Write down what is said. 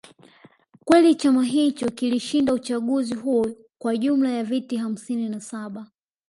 kweli chama hicho kilishinda uchaguzi huo kwa jumla ya viti hamsini na saba